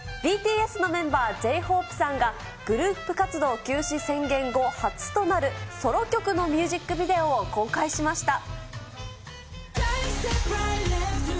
ＢＴＳのメンバー、ＪーＨＯＰＥさんが、グループ活動休止宣言後、初となるソロ曲のミュージックビデオを公開しました。